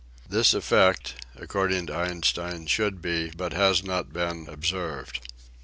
This effect, according to Einstein, should be, but has not been, observed.